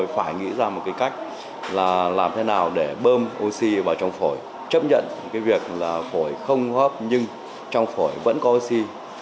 phổi không hô hấp nhưng trong phổi vẫn có oxy